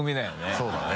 そうだね。